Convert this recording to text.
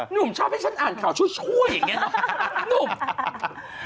หนุ่มชอบให้ฉันอ่านข่าวช่วยอย่างนี้เนอะ